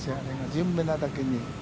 順目なだけに。